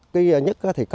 cái nhất thì có